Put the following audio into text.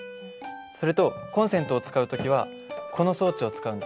それとコンセントを使う時はこの装置を使うんだ。